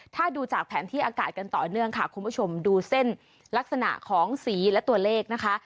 ถ้าดูจากแผนที่อากาศกันต่อเนื่องค่ะคุณผู้ชมดูเส้นลักษณะของสีและตัวเลขนะคะ